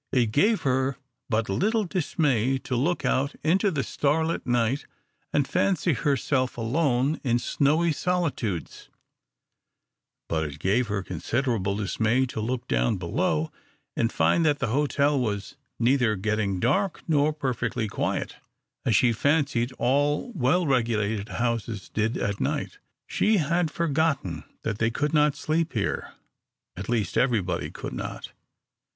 It gave her but little dismay to look out into the starlit night and fancy herself alone in snowy solitudes, but it gave her considerable dismay to look down below, and find that the hotel was neither getting dark nor perfectly quiet, as she fancied all well regulated houses did at night. She had forgotten that they could not sleep here, at least everybody could not.